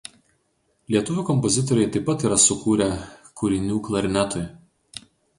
Lietuvių kompozitoriai taip pat yra sukūrę kūrinių klarnetui.